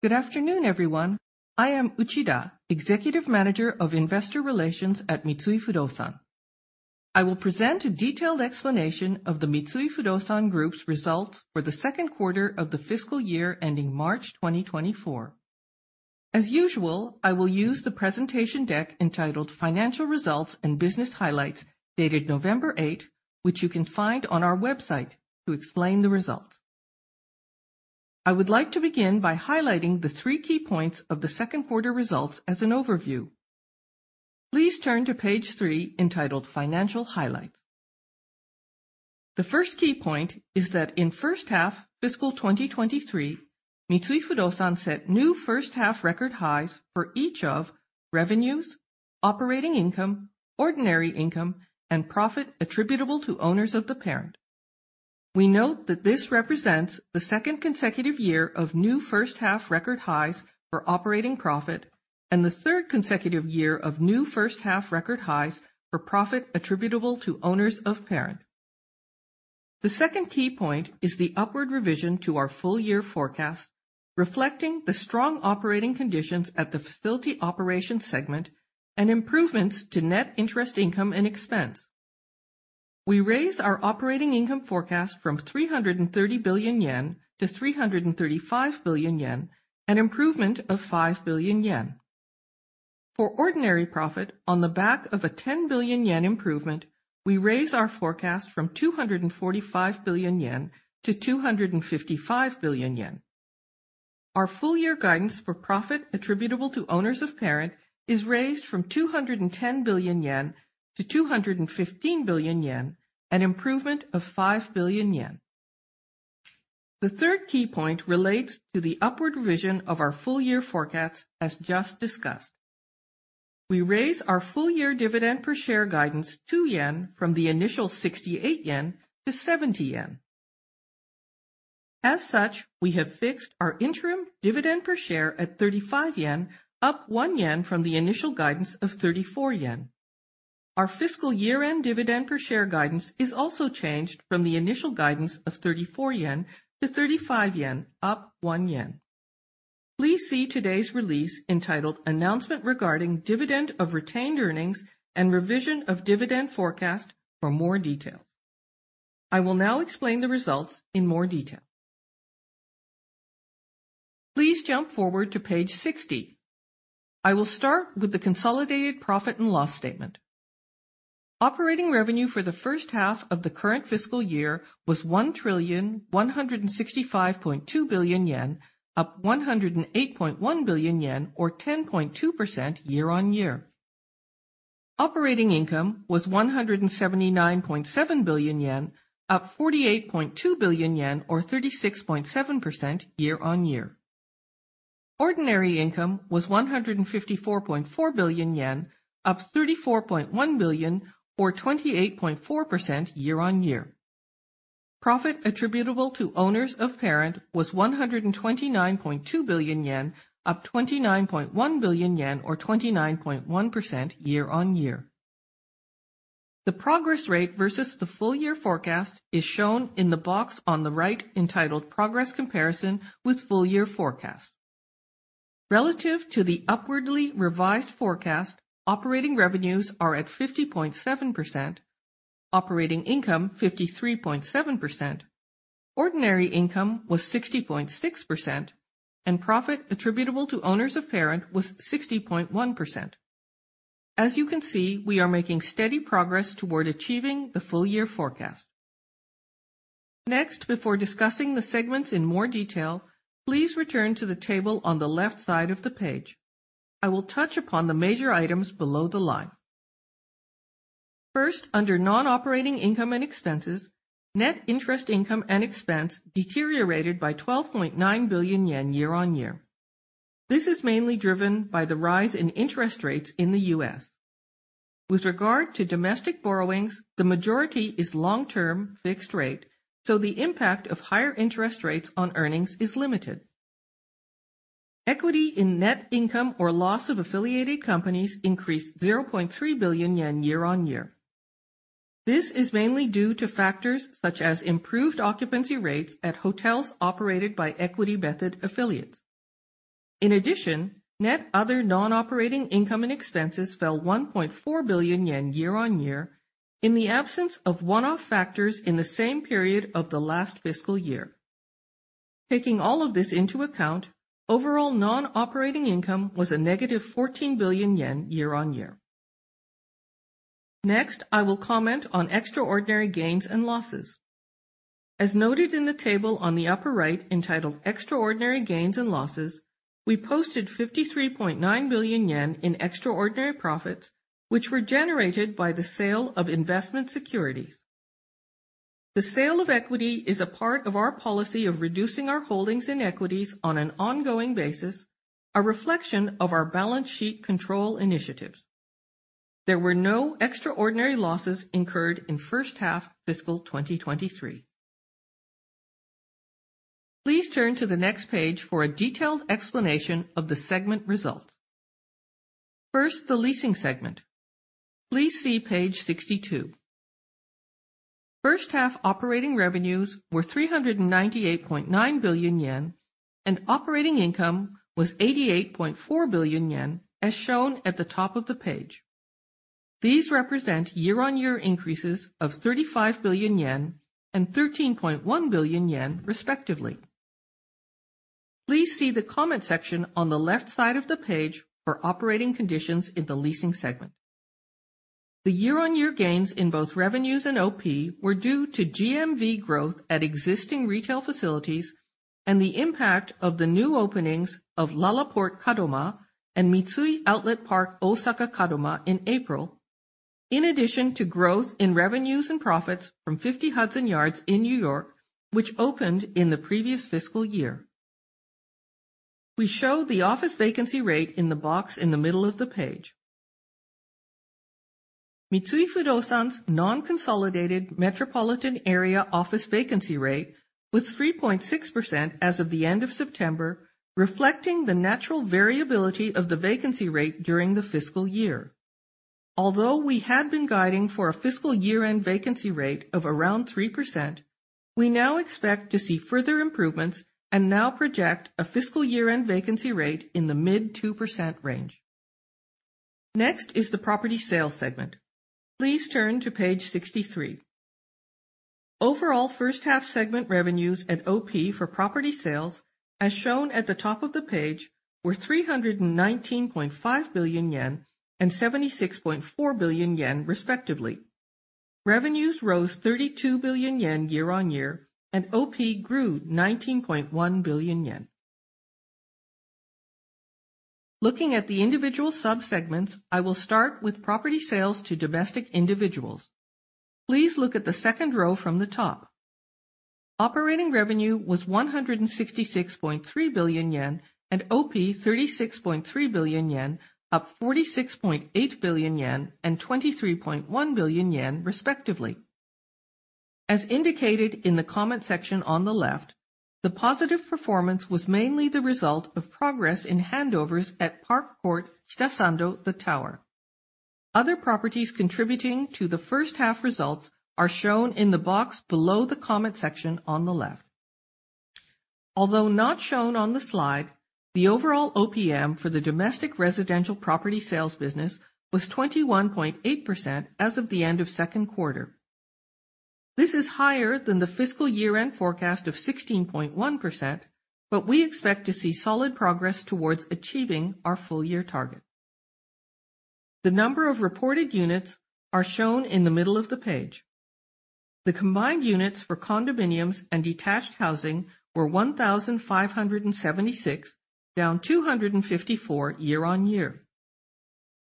Good afternoon, everyone. I am Uchida, Executive Manager of investor relations at Mitsui Fudosan. I will present a detailed explanation of the Mitsui Fudosan Group's results for the second quarter of the fiscal year ending March 2024. As usual, I will use the presentation deck entitled Financial Results and Business Highlights, dated November 8, which you can find on our website to explain the results. I would like to begin by highlighting the three key points of the second quarter results as an overview. Please turn to page 3, entitled Financial Highlights. The first key point is that in first half, fiscal 2023, Mitsui Fudosan set new first-half record highs for each of revenues, operating income, ordinary income, and profit attributable to owners of the parent. We note that this represents the second consecutive year of new first-half record highs for operating profit and the third consecutive year of new first-half record highs for profit attributable to owners of parent. The second key point is the upward revision to our full-year forecast, reflecting the strong operating conditions at the facility operations segment and improvements to net interest income and expense. We raise our operating income forecast from 330 billion yen to 335 billion yen, an improvement of 5 billion yen. For ordinary profit on the back of a 10 billion yen improvement, we raise our forecast from 245 billion yen to 255 billion yen. Our full-year guidance for profit attributable to owners of parent is raised from 210 billion yen to 215 billion yen, an improvement of 5 billion yen. The third key point relates to the upward revision of our full-year forecast, as just discussed. We raise our full-year dividend per share guidance 2 yen from the initial 68 yen to 70 yen. As such, we have fixed our interim dividend per share at 35 yen, up 1 yen from the initial guidance of 34 yen. Our fiscal year-end dividend per share guidance is also changed from the initial guidance of 34 yen to 35 yen, up 1 yen. Please see today's release entitled Announcement Regarding Dividend of Retained Earnings and Revision of Dividend Forecast for more details. I will now explain the results in more detail. Please jump forward to page 60. I will start with the consolidated profit and loss statement. Operating revenue for the first half of the current fiscal year was 1,165.2 billion yen, to 108.1 billion yen, or 10.2% year-on-year. Operating income was 179.7 billion yen, up 48.2 billion yen, or 36.7% year-on-year. Ordinary income was 154.4 billion yen to 34.1 billion, or 28.4% year-on-year. Profit attributable to owners of parent was 129.2 billion yen, to 29.1 billion yen, or 29.1% year-on-year. The progress rate versus the full year forecast is shown in the box on the right, entitled Progress Comparison with Full Year Forecast. Relative to the upwardly revised forecast, operating revenues are at 50.7%, operating income, 53.7%. Ordinary income was 60.6%, and profit attributable to owners of parent was 60.1%. As you can see, we are making steady progress toward achieving the full-year forecast. Next, before discussing the segments in more detail, please return to the table on the left side of the page. I will touch upon the major items below the line. First, under non-operating income and expenses, net interest income and expense deteriorated by 12.9 billion yen year-on-year. This is mainly driven by the rise in interest rates in the U.S. With regard to domestic borrowings, the majority is long-term fixed rate, so the impact of higher interest rates on earnings is limited. Equity in net income or loss of affiliated companies increased 0.3 billion yen year-over-year. This is mainly due to factors such as improved occupancy rates at hotels operated by equity method affiliates. In addition, net other non-operating income and expenses fell 1.4 billion yen year-over-year in the absence of one-off factors in the same period of the last fiscal year. Taking all of this into account, overall non-operating income was -14 billion yen year-over-year. Next, I will comment on extraordinary gains and losses. As noted in the table on the upper right entitled Extraordinary Gains and Losses, we posted 53.9 billion yen in extraordinary profits, which were generated by the sale of investment securities. The sale of equity is a part of our policy of reducing our holdings in equities on an ongoing basis, a reflection of our balance sheet control initiatives. There were no extraordinary losses incurred in first half fiscal 2023. Please turn to the next page for a detailed explanation of the segment results. First, the leasing segment. Please see page 62.... First half operating revenues were 398.9 billion yen, and operating income was 88.4 billion yen, as shown at the top of the page. These represent year-on-year increases of 35 billion yen to 13.1 billion yen, respectively. Please see the comment section on the left side of the page for operating conditions in the leasing segment. The year-on-year gains in both revenues and OP were due to GMV growth at existing retail facilities and the impact of the new openings of LaLaport Kadoma and Mitsui Outlet PARK Osaka Kadoma in April, in addition to growth in revenues and profits from 50 Hudson Yards in New York, which opened in the previous fiscal year. We show the office vacancy rate in the box in the middle of the page. Mitsui Fudosan's non-consolidated metropolitan area office vacancy rate was 3.6% as of the end of September, reflecting the natural variability of the vacancy rate during the fiscal year. Although we had been guiding for a fiscal year-end vacancy rate of around 3%, we now expect to see further improvements and now project a fiscal year-end vacancy rate in the mid-2% range. Next is the property sales segment. Please turn to page 63. Overall, first half segment revenues at OP for property sales, as shown at the top of the page, were 319.5 billion yen to 76.4 billion yen, respectively. Revenues rose 32 billion yen year-on-year, and OP grew 19.1 billion yen. Looking at the individual subsegments, I will start with property sales to domestic individuals. Please look at the second row from the top. Operating revenue was 166.3 billion yen, and OP, 36.3 billion yen, up 46.8 billion yen to 23.1 billion yen, respectively. As indicated in the comment section on the left, the positive performance was mainly the result of progress in handovers at Park Court Chiyoda Fujimi The Tower. Other properties contributing to the first half results are shown in the box below the comment section on the left. Although not shown on the slide, the overall OPM for the domestic residential property sales business was 21.8% as of the end of second quarter. This is higher than the fiscal year-end forecast of 16.1%, but we expect to see solid progress towards achieving our full year target. The number of reported units are shown in the middle of the page. The combined units for condominiums and detached housing were 1,576, down 254 year-on-year.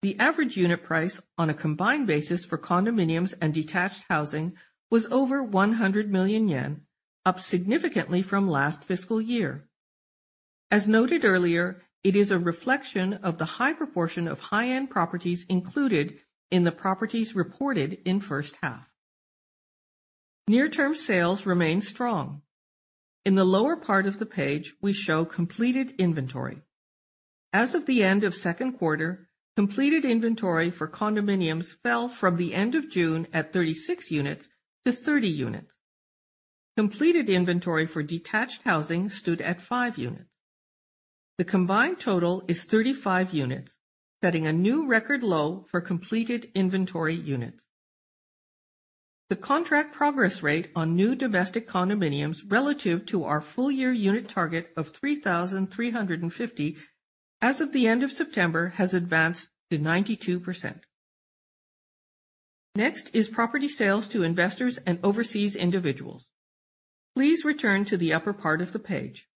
The average unit price on a combined basis for condominiums and detached housing was over 100 million yen, up significantly from last fiscal year. As noted earlier, it is a reflection of the high proportion of high-end properties included in the properties reported in first half. Near-term sales remain strong. In the lower part of the page, we show completed inventory. As of the end of second quarter, completed inventory for condominiums fell from the end of June at 36 units to 30 units. Completed inventory for detached housing stood at 5 units. The combined total is 35 units, setting a new record low for completed inventory units. The contract progress rate on new domestic condominiums relative to our full year unit target of 3,350, as of the end of September, has advanced to 92%. Next is property sales to investors and overseas individuals. Please return to the upper part of the page.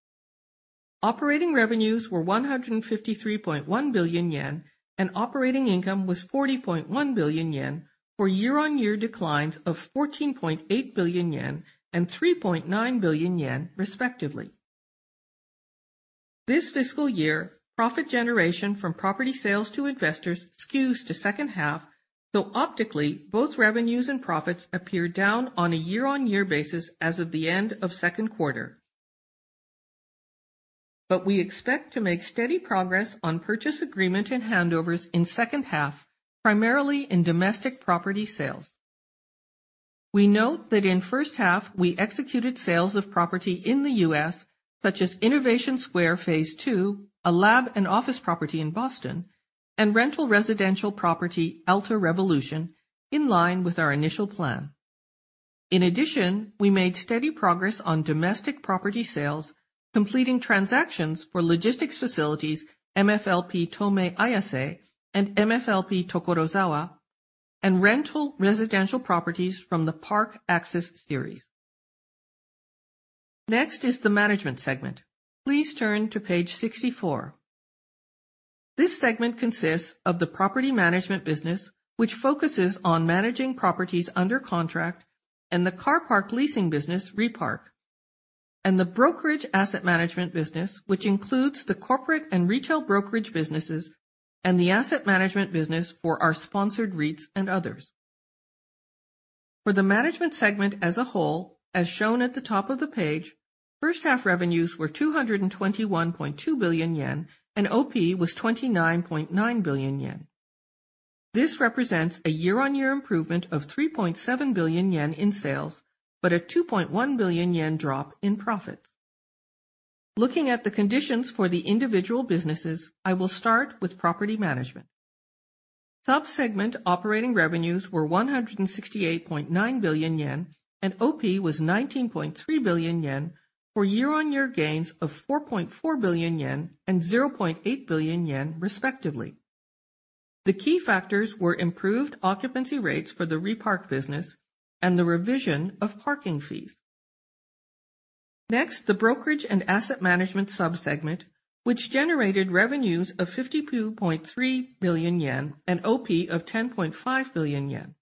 Operating revenues were 153.1 billion yen, and operating income was 40.1 billion yen, for year-on-year declines of 14.8 billion yen to 3.9 billion yen, respectively. This fiscal year, profit generation from property sales to investors skews to second half, though optically, both revenues and profits appear down on a year-on-year basis as of the end of second quarter. But we expect to make steady progress on purchase agreement and handovers in second half, primarily in domestic property sales. We note that in first half, we executed sales of property in the U.S., such as Innovation Square Phase Two, a lab and office property in Boston, and rental residential property, Alta Revolution, in line with our initial plan. In addition, we made steady progress on domestic property sales, completing transactions for logistics facilities, MFLP Tomei Ayase and MFLP Tokorozawa, and rental residential properties from the Park Access series. Next is the management segment. Please turn to page 64. This segment consists of the property management business, which focuses on managing properties under contract and the car park leasing business, Repark, and the brokerage asset management business, which includes the corporate and retail brokerage businesses and the asset management business for our sponsored REITs and others. For the management segment as a whole, as shown at the top of the page, first half revenues were 221.2 billion yen, to OP was 29.9 billion yen. This represents a year-on-year improvement of 3.7 billion yen in sales, but a 2.1 billion yen drop in profits. Looking at the conditions for the individual businesses, I will start with property management. Sub-segment operating revenues were 168.9 billion yen, and OP was 19.3 billion yen, for year-on-year gains of 4.4 billion yen to 0.8 billion yen respectively. The key factors were improved occupancy rates for the Repark business and the revision of parking fees. Next, the brokerage and asset management sub-segment, which generated revenues of 52.3 billion yen, to OP of 10.5 billion yen.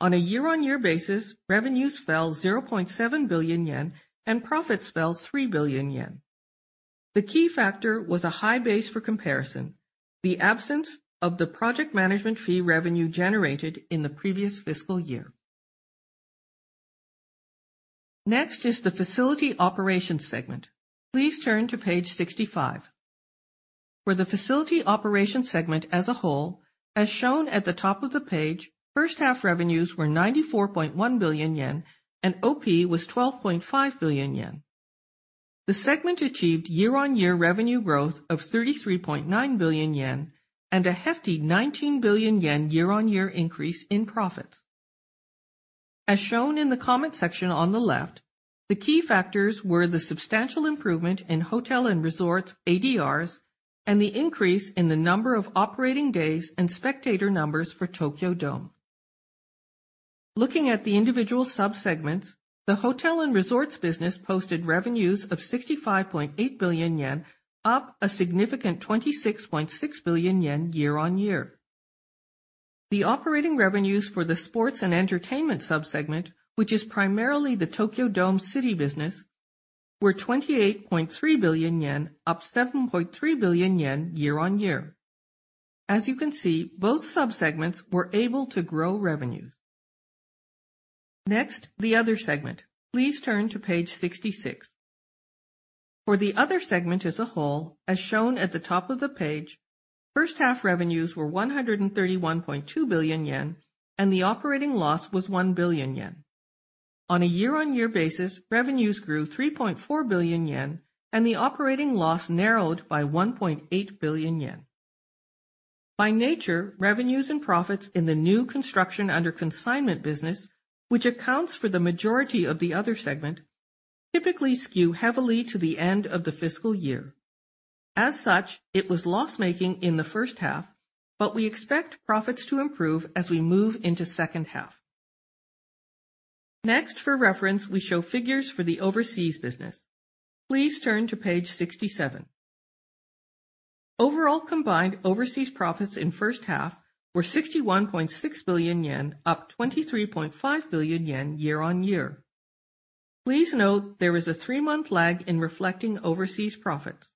On a year-on-year basis, revenues fell 0.7 billion yen to profits fell 3 billion yen. The key factor was a high base for comparison, the absence of the project management fee revenue generated in the previous fiscal year. Next is the facility operations segment. Please turn to page 65. For the facility operations segment as a whole, as shown at the top of the page, first half revenues were 94.1 billion yen, and OP was 12.5 billion yen. The segment achieved year-on-year revenue growth of 33.9 billion yen and a hefty 19 billion yen year-on-year increase in profits. As shown in the comment section on the left, the key factors were the substantial improvement in hotel and resorts ADRs, and the increase in the number of operating days and spectator numbers for Tokyo Dome. Looking at the individual sub-segments, the hotel and resorts business posted revenues of 65.8 billion yen, up a significant 26.6 billion yen year-on-year. The operating revenues for the sports and entertainment sub-segment, which is primarily the Tokyo Dome City business, were 28.3 billion yen, to 7.3 billion yen year-on-year. As you can see, both sub-segments were able to grow revenues. Next, the other segment. Please turn to page 66. For the other segment as a whole, as shown at the top of the page, first half revenues were 131.2 billion yen, and the operating loss was 1 billion yen. On a year-on-year basis, revenues grew 3.4 billion yen, and the operating loss narrowed by 1.8 billion yen. By nature, revenues and profits in the new construction under consignment business, which accounts for the majority of the other segment, typically skew heavily to the end of the fiscal year. As such, it was loss-making in the first half, but we expect profits to improve as we move into second half. Next, for reference, we show figures for the overseas business. Please turn to page 67. Overall, combined overseas profits in first half were 61.6 billion yen, to 23.5 billion yen year-on-year. Please note there is a three-month lag in reflecting overseas profits.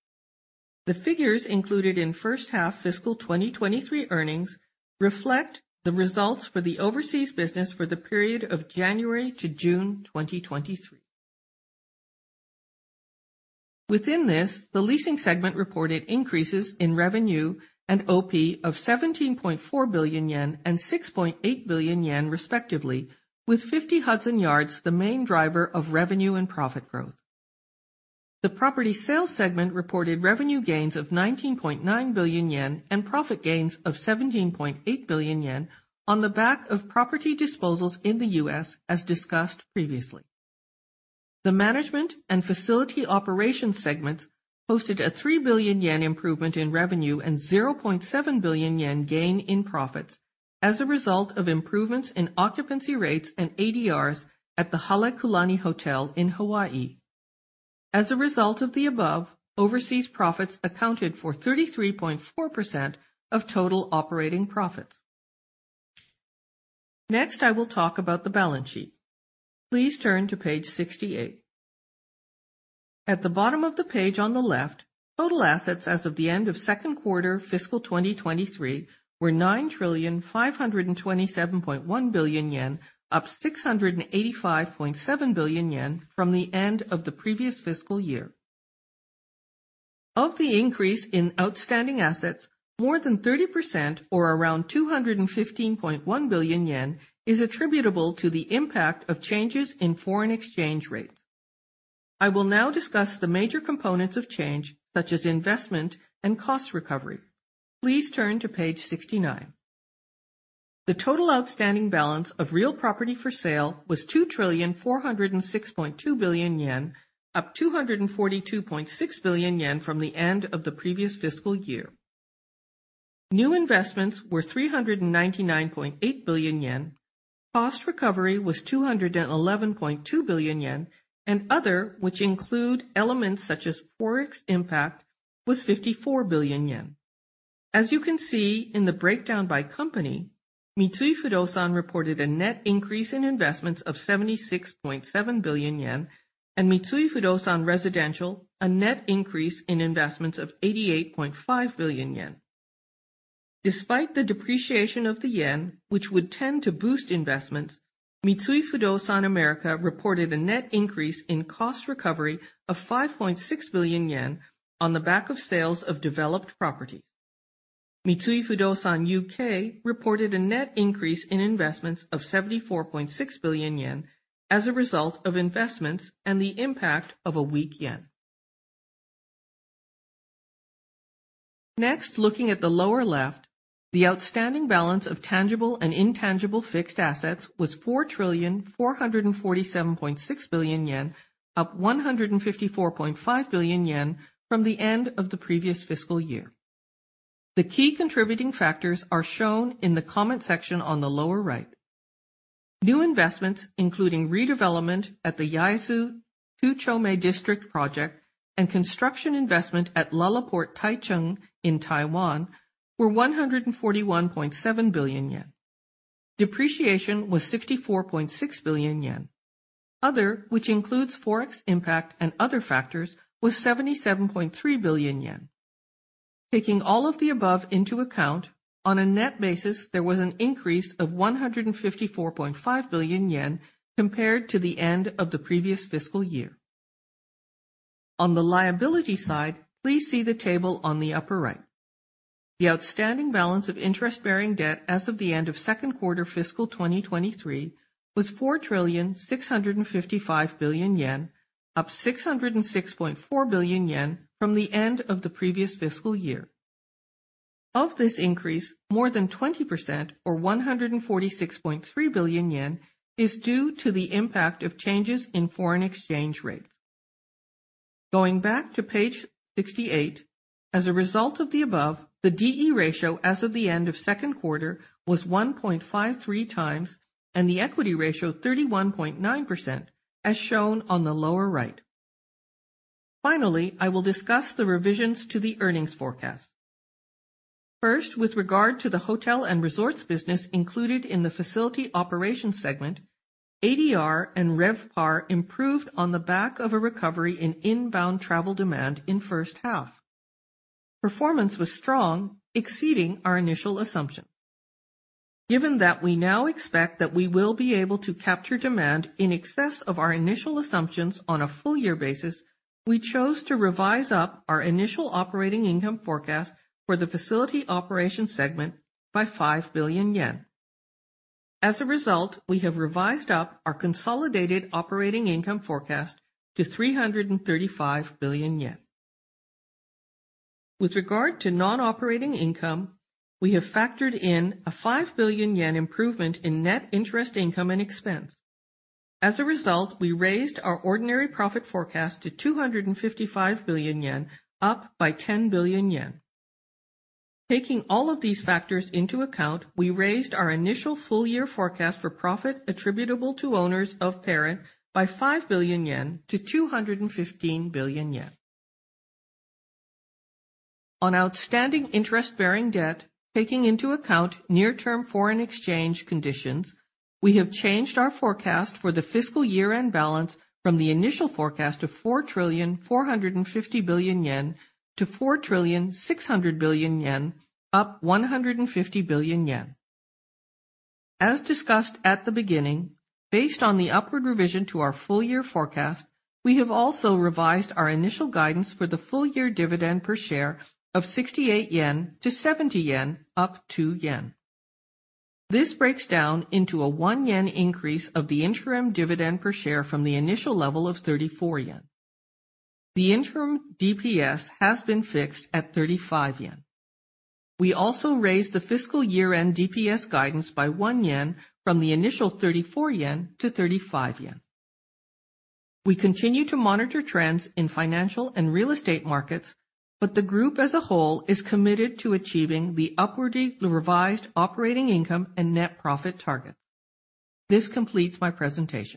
The figures included in first half fiscal 2023 earnings reflect the results for the overseas business for the period of January to June 2023. Within this, the leasing segment reported increases in revenue and OP of 17.4 billion yen to 6.8 billion yen respectively, with 50 Hudson Yards the main driver of revenue and profit growth. The property sales segment reported revenue gains of 19.9 billion yen and profit gains of 17.8 billion yen on the back of property disposals in the U.S., as discussed previously. The management and facility operations segments posted a 3 billion yen improvement in revenue and 0.7 billion yen gain in profits as a result of improvements in occupancy rates and ADRs at the Halekulani Hotel in Hawaii. As a result of the above, overseas profits accounted for 33.4% of total operating profits. Next, I will talk about the balance sheet. Please turn to page 68. At the bottom of the page on the left, total assets as of the end of second quarter fiscal 2023 were 9,527.1 billion yen, to 685.7 billion yen from the end of the previous fiscal year. Of the increase in outstanding assets, more than 30%, or around 215.1 billion yen, is attributable to the impact of changes in foreign exchange rates. I will now discuss the major components of change, such as investment and cost recovery. Please turn to page 69. The total outstanding balance of real property for sale was 2,406.2 billion yen, to 242.6 billion yen from the end of the previous fiscal year. New investments were 399.8 billion yen. Cost recovery was 211.2 billion yen, and other, which include elements such as Forex impact, was 54 billion yen. As you can see in the breakdown by company, Mitsui Fudosan reported a net increase in investments of 76.7 billion yen and Mitsui Fudosan Residential, a net increase in investments of 88.5 billion yen. Despite the depreciation of the yen, which would tend to boost investments. Mitsui Fudosan America reported a net increase in cost recovery of 5.6 billion yen on the back of sales of developed property. Mitsui Fudosan UK reported a net increase in investments of 74.6 billion yen as a result of investments and the impact of a weak yen. Next, looking at the lower left, the outstanding balance of tangible and intangible fixed assets was 4,447.6 billion yen, to 154.5 billion yen from the end of the previous fiscal year. The key contributing factors are shown in the comment section on the lower right. New investments, including redevelopment at the Yaesu project and construction investment at LaLaport Taichung in Taiwan, were 141.7 billion yen. Depreciation was 64.6 billion yen. Other, which includes Forex impact and other factors, was 77.3 billion yen. Taking all of the above into account, on a net basis, there was an increase of 154.5 billion yen compared to the end of the previous fiscal year. On the liability side, please see the table on the upper right. The outstanding balance of interest-bearing debt as of the end of second quarter fiscal 2023 was 4.655 trillion yen, up 606.4 billion yen from the end of the previous fiscal year. Of this increase, more than 20% or 146.3 billion yen, is due to the impact of changes in foreign exchange rates. Going back to page 68, as a result of the above, the D/E ratio as of the end of second quarter was 1.53 times, and the equity ratio, 31.9%, as shown on the lower right. Finally, I will discuss the revisions to the earnings forecast. First, with regard to the hotel and resorts business included in the facility operations segment, ADR and RevPAR improved on the back of a recovery in inbound travel demand in first half. Performance was strong, exceeding our initial assumption. Given that we now expect that we will be able to capture demand in excess of our initial assumptions on a full year basis, we chose to revise up our initial operating income forecast for the facility operations segment by 5 billion yen. As a result, we have revised up our consolidated operating income forecast to 335 billion yen. With regard to non-operating income, we have factored in a 5 billion yen improvement in net interest income and expense. As a result, we raised our ordinary profit forecast to 255 billion yen, to by 10 billion yen. Taking all of these factors into account, we raised our initial full year forecast for profit attributable to owners of parent by 5 billion yen to 215 billion yen. On outstanding interest-bearing debt, taking into account near-term foreign exchange conditions, we have changed our forecast for the fiscal year-end balance from the initial forecast of 4.45 trillion to 4.6 trillion, to 150 billion yen. As discussed at the beginning, based on the upward revision to our full year forecast, we have also revised our initial guidance for the full year dividend per share of 68 yen to 70 yen, up 2 yen. This breaks down into a 1 yen increase of the interim dividend per share from the initial level of 34 yen. The interim DPS has been fixed at 35 yen. We also raised the fiscal year-end DPS guidance by 1 yen from the initial 34 yen to 35 yen. We continue to monitor trends in financial and real estate markets, but the group as a whole is committed to achieving the upwardly revised operating income and net profit targets. This completes my presentation.